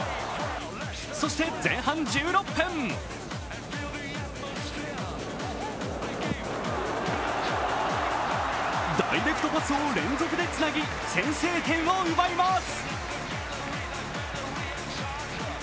そして前半１６分ダイレクトパスを連続でつなぎ先制点を奪います。